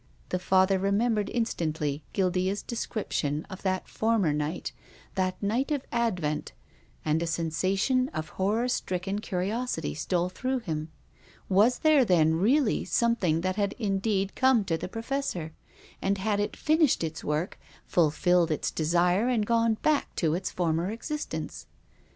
The Father remembered instantly Guildca's de scription of that former night, that night of Ad vent, and a sensation of horror stricken curiosity stole through him. Was there then really something that had in deed come to the Professor? And had it finished its work, fulfilled its desire and gone back to its former existence